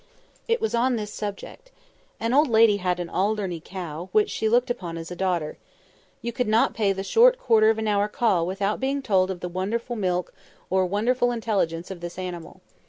It was on this subject: An old lady had an Alderney cow, which she looked upon as a daughter. You could not pay the short quarter of an hour call without being told of the wonderful milk or wonderful intelligence of this animal.